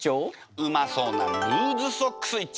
うまそうなルーズソックス一丁！